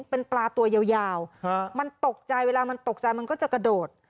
เป็นปลาตัวยาวมันตกใจเวลามันตกใจมันก็จะกระโดด